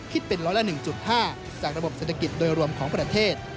คิดเป็นร้อยละ๑๕จากระบบเศรษฐกิจโดยรวมของประเทศ